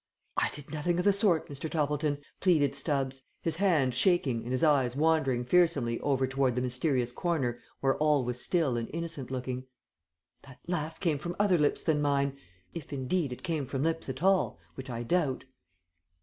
"I did nothing of the sort, Mr. Toppleton," pleaded Stubbs, his hand shaking and his eyes wandering fearsomely over toward the mysterious corner where all was still and innocent looking. "That laugh came from other lips than mine if, indeed, it came from lips at all, which I doubt."